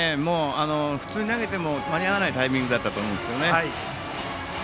普通に投げても間に合わないタイミングだったと思いますけどね。